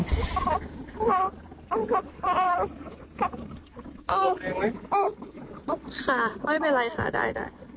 ค่ะไม่เป็นไรค่ะได้